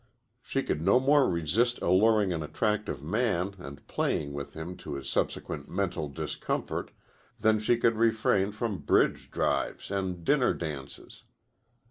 She could no more resist alluring an attractive man and playing with him to his subsequent mental discomfort than she could refrain from bridge drives and dinner dances.